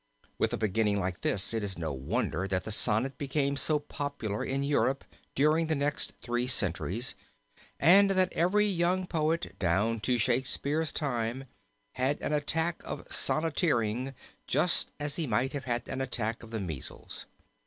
With a beginning like this it is no wonder that the sonnet became so popular in Europe during the next three centuries, and that every young poet, down to Shakespeare's time, had an attack of sonneteering just as he might have had an attack of the measles.